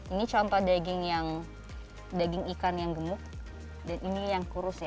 ini contoh daging yang daging ikan yang gemuk dan ini yang kurus ya